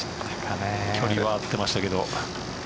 距離は合ってましたけど。